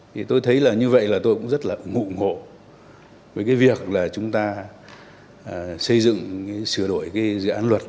thì tôi thấy là như vậy là tôi cũng rất là ủng hộ với cái việc là chúng ta xây dựng sửa đổi cái dự án luật